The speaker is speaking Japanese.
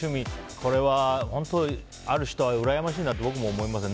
これは本当ある人はうらやましいなと僕も思いますね。